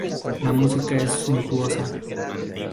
La música es suntuosa.